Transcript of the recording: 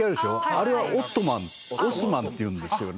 あれは「オットマン」「オスマン」というんですよね。